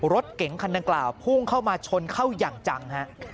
รถเก๋งคันดังกล่าวพุ่งเข้ามาชนเข้าอย่างจังฮะ